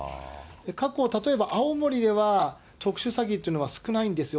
過去、例えば青森では特殊詐欺っていうのは少ないんですよ。